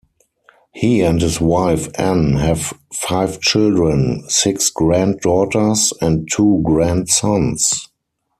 He and his wife Ann have five children, six granddaughters, and two grandsons.